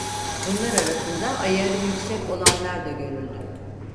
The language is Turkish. Bunlar arasında ayarı yüksek olanlar da görüldü.